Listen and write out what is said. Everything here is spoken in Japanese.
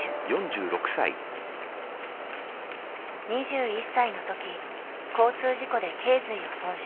２１歳の時交通事故で頸髄を損傷。